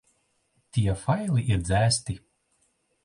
Tie faili ir dzēsti.